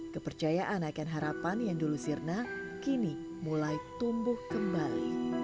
kepercayaan akan harapan yang dulu sirna kini mulai tumbuh kembali